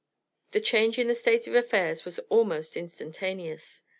The change in the state of affairs was almost instantaneous.